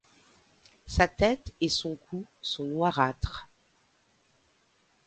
Sa tête et son cou sont noirâtres.